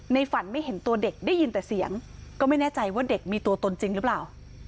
ฝันไม่เห็นตัวเด็กได้ยินแต่เสียงก็ไม่แน่ใจว่าเด็กมีตัวตนจริงหรือเปล่า